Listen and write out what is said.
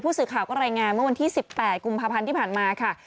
สื่อข่าวก็รายงานเมื่อวันที่๑๘กุมภาพันธ์ที่ผ่านมาค่ะ